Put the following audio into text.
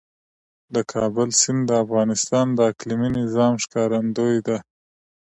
د کابل سیند د افغانستان د اقلیمي نظام ښکارندوی ده.